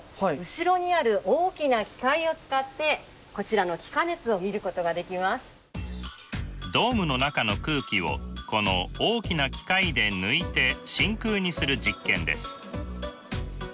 後ろにある大きな機械を使ってドームの中の空気をこの大きな機械で抜いて真空にする実験です。